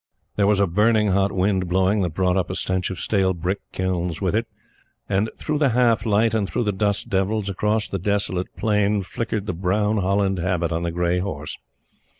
There was a burning hot wind blowing that brought up a stench of stale brick kilns with it; and through the half light and through the dust devils, across that desolate plain, flickered the brown holland habit on the gray horse.